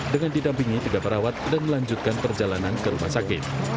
dengan didampingi tiga perawat dan melanjutkan perjalanan ke rumah sakit